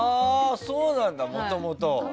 そうなんだ、もともと。